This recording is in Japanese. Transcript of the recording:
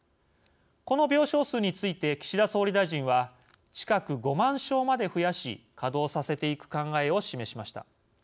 この病床数について岸田総理大臣は近く５万床まで増やし稼働させていく考えを示しました。